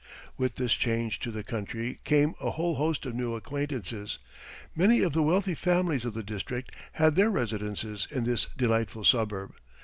With this change to the country came a whole host of new acquaintances. Many of the wealthy families of the district had their residences in this delightful suburb.